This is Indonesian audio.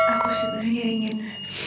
aku sebenernya ingin